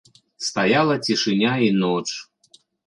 Стаяла цішыня і ноч.